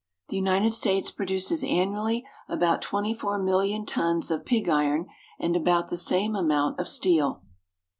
= The United States produces annually about 24,000,000 tons of pig iron and about the same amount of steel.